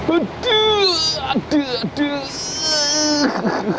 aduh aduh aduh